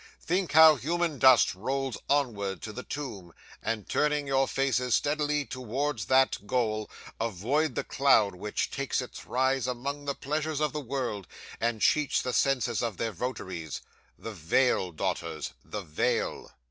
Think how human dust rolls onward to the tomb, and turning your faces steadily towards that goal, avoid the cloud which takes its rise among the pleasures of the world, and cheats the senses of their votaries. The veil, daughters, the veil!"